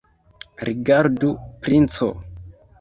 Rigardu, princo!